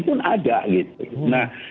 pun ada gitu nah